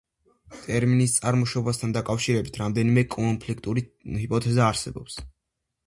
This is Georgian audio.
ტერმინის წარმოშობასთან დაკავშირებით რამდენიმე კონფლიქტური ჰიპოთეზა არსებობს.